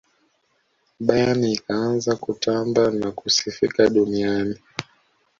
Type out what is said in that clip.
bayern ikaanza kutamba na kusifika duniani